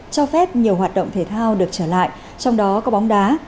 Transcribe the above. cho phép nhiều hoạt động thể thao được trở lại trong đó có bóng đá